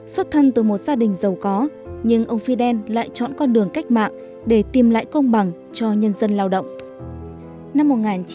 xuất thân từ một gia đình giàu có nhưng ông fidel lại chọn con đường cách mạng để tìm lại công bằng cho nhân dân lao động